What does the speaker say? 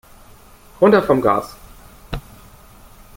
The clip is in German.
Runter vom Gas!